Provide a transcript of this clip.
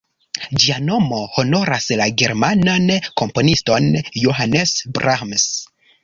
Ĝia nomo honoras la germanan komponiston Johannes Brahms.